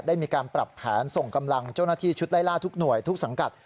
ได้มีการปรับแผนส่งกำลังเจ้าหน้าที่ชุดไล่ล่าทุกหน่วยทุกสังกัด